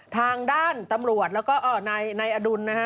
ทางด้านตำรวจแล้วก็นายอดุลนะฮะ